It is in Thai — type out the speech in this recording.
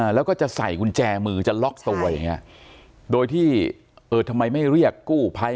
แล้วก็จะใส่กุญแจมือจะล็อกตัวอย่างเงี้ยโดยที่เออทำไมไม่เรียกกู้ภัย